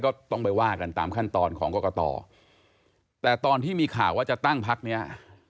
ก็ต้องไปว่ากันตามขั้นตอนของกรกตแต่ตอนที่มีข่าวว่าจะตั้งพักเนี้ย